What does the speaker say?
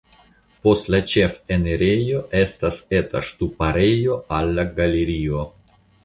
Post la ĉefenirejo estas eta ŝtuparejo al la galerio.